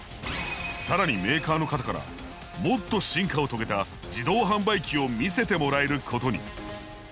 更にメーカーの方からもっと進化を遂げた自動販売機を見せてもらえることに。